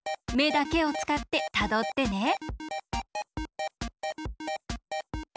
めだけをつかってたどってね。